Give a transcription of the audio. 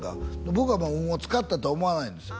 僕は運を使ったとは思わないんですよ